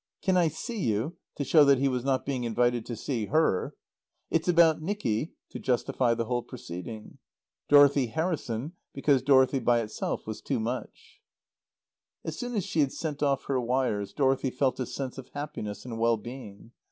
"Can I see you?" to show that he was not being invited to see her. "It's about Nicky" to justify the whole proceeding. "Dorothy Harrison" because "Dorothy" by itself was too much. As soon as she had sent off her wires Dorothy felt a sense of happiness and well being.